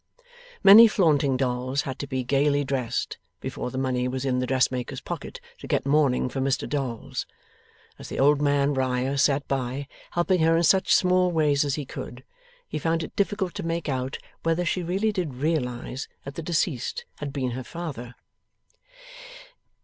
Many flaunting dolls had to be gaily dressed, before the money was in the dressmaker's pocket to get mourning for Mr Dolls. As the old man, Riah, sat by, helping her in such small ways as he could, he found it difficult to make out whether she really did realize that the deceased had been her father.